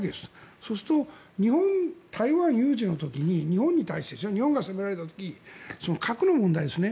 そうすると日本は台湾有事の時に日本に対して日本が攻められた時に核の問題ですね。